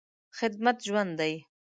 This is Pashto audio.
خدمت ژوند دی.